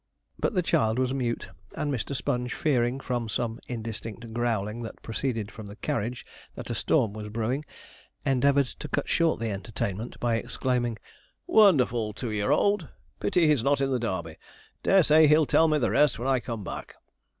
But the child was mute, and Mr. Sponge fearing, from some indistinct growling that proceeded from the carriage, that a storm was brewing, endeavoured to cut short the entertainment by exclaiming: 'Wonderful two year old! Pity he's not in the Darby. Dare say he'll tell me the rest when I come back.'